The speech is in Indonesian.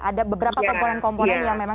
ada beberapa komponen komponen yang bisa diturunkan